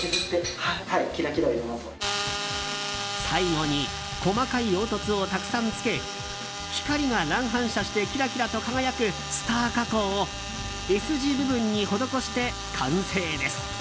最後に細かい凹凸をたくさんつけ光が乱反射してキラキラと輝くスター加工をＳ字部分に施して完成です。